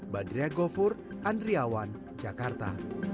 badriah gofur andriawan jakarta